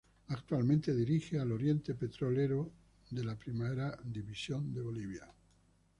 Actualmente dirige al Oriente Petrolero de la Primera División de Bolivia.